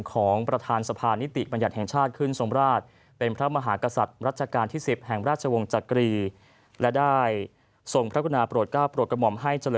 ของประธานสภารนิติบรรยัติแห่งชาติขึ้นส่งบราช